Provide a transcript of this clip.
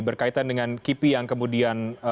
berkaitan dengan kipi yang kemudian